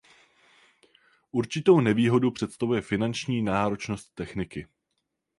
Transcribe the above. Určitou nevýhodu představuje finanční náročnost techniky.